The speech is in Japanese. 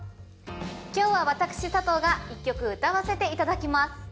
今日は私佐藤が１曲歌わせていただきます。